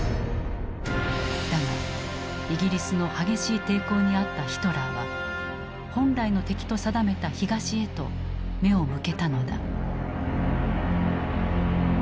だがイギリスの激しい抵抗に遭ったヒトラーは本来の敵と定めた東へと目を向けたのだ。